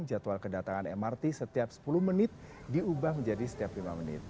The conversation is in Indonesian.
jadwal kedatangan mrt setiap sepuluh menit diubah menjadi setiap lima menit